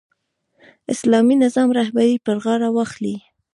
اسلامي نظام رهبري پر غاړه واخلي.